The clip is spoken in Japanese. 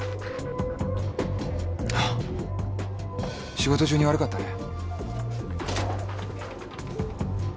仕事中に悪かったね。